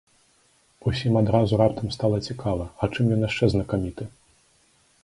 Усім адразу раптам стала цікава, а чым ён яшчэ знакаміты?